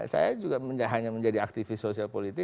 saya juga hanya menjadi aktivis sosial politik